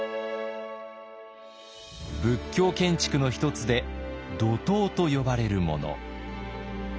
仏教建築の一つで土塔と呼ばれるもの。